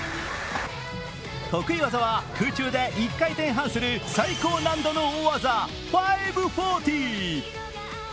得意技は空中で１回転半する最高難度の大技５４０。